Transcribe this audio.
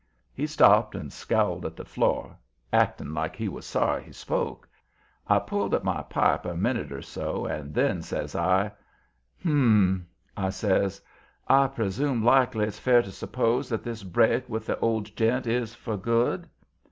He stopped and scowled at the floor, acting like he was sorry he spoke. I pulled at my pipe a minute or so and then says I: "Hum!" I says, "I presume likely it's fair to suppose that this break with the old gent is for good?"